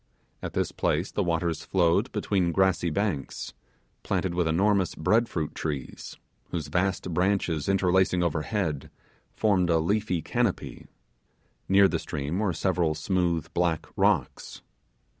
At this place the waters flowed between grassy banks, planted with enormous bread fruit trees, whose vast branches interlacing overhead, formed a leafy canopy; near the stream were several smooth black rocks.